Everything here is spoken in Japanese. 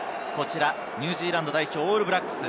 ニュージーランド代表・オールブラックス。